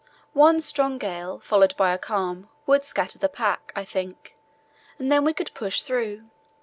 One strong gale, followed by a calm would scatter the pack, I think, and then we could push through.